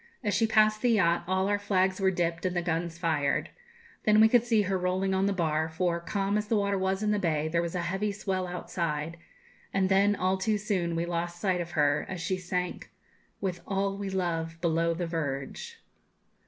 As she passed the yacht, all our flags were dipped and the guns fired. Then we could see her rolling on the bar, for, calm as the water was in the bay, there was a heavy swell outside; and then, all too soon, we lost sight of her, as she sank, '... with all we love, below the verge.'